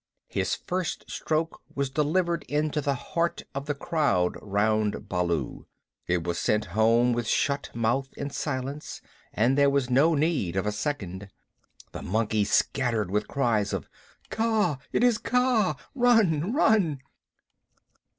His first stroke was delivered into the heart of the crowd round Baloo. It was sent home with shut mouth in silence, and there was no need of a second. The monkeys scattered with cries of "Kaa! It is Kaa! Run! Run!"